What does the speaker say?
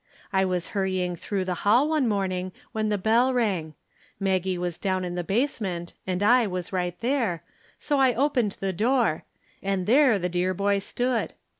I was hurrying through the hall one morning when the bell rang. Maggie was down in the basement and I was right there, so I opened the door, and there the dear boy stood.